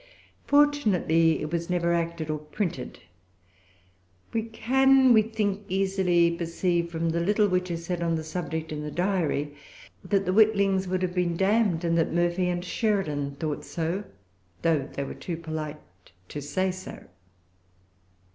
Fortunately it was never acted or printed. We can, we think, easily perceive, from the little which is said on the subject in the Diary, that The Witlings would have been damned, and that Murphy and Sheridan thought so, though they were too polite to say so.